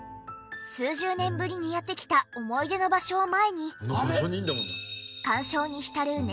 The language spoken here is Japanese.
数十年ぶりにやって来た思い出の場所を前に感傷に浸る